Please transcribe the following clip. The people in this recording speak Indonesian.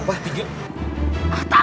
tak ngerti dia